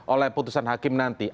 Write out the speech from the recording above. oleh putusan hakim nanti